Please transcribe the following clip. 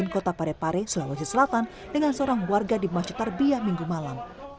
kota parepare sulawesi selatan dengan seorang warga di masjid tarbiah minggu malam